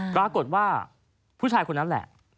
ปรากฏว่าผู้ชายคนนั้นแหละ